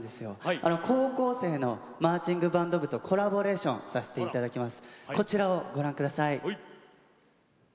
高校生のマーチングバンド部とコラボレーションさせていただきます。